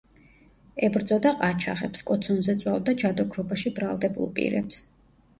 ებრძოდა ყაჩაღებს, კოცონზე წვავდა ჯადოქრობაში ბრალდებულ პირებს.